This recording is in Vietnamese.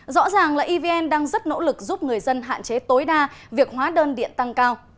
rõ ràng là evn đang rất nỗ lực giúp người dân hạn chế tối đa việc hóa đơn điện tăng cao